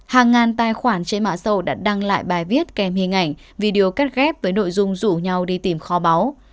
hàng ngàn tài khoản trên mạng sầu đã đăng lại bài viết kèm hình ảnh video cắt ghép với nội dung rủ nhau đi tìm kho báo